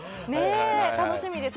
楽しみです。